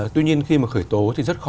tuy nhiên khi mà khởi tố thì rất khó